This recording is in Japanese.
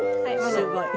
すごい。